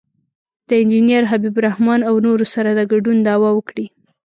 د انجینر حبیب الرحمن او نورو سره د ګډون دعوه وکړي.